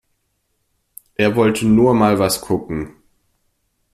Er wollte nur mal was gucken.